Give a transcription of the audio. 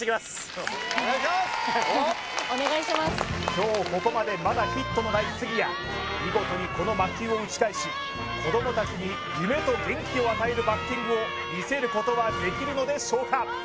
今日ここまでまだヒットのない杉谷見事にこの魔球を打ち返し子供達に夢と元気を与えるバッティングを見せることはできるのでしょうか？